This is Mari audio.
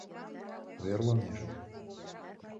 — Ойырлынеже...